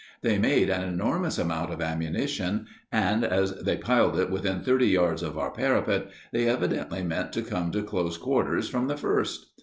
They made an enormous amount of ammunition, and as they piled it within thirty yards of our parapet, they evidently meant to come to close quarters from the first.